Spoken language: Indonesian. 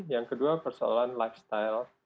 yang kedua persoalan lifestyle